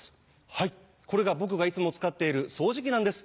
はいこれが僕がいつも使っている掃除機なんです。